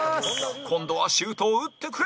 今度はシュートを打ってくれ！